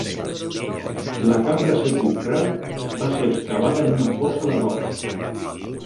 La cambra sepulcral va ser excavada en una fossa a la roca.